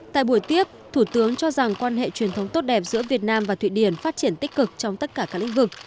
tại buổi tiếp thủ tướng cho rằng quan hệ truyền thống tốt đẹp giữa việt nam và thụy điển phát triển tích cực trong tất cả các lĩnh vực